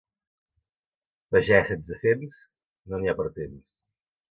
Pagès sense fems, no n'hi ha per temps.